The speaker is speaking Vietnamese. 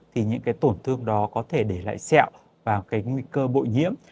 thì những cái tổn thương đó có thể để lại sẹo vào cái nguy cơ bội nhiễm